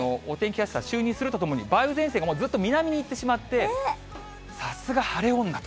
キャスター就任するとともに、梅雨前線がもうずっと南に行ってしまって、さすが晴れ女と。